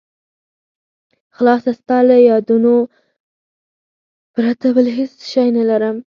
خلاصه ستا له یادونو پرته بل هېڅ شی نه لرم.